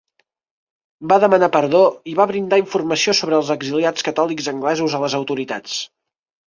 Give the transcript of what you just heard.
Va demanar perdó i va brindar informació sobre els exiliats catòlics anglesos a les autoritats.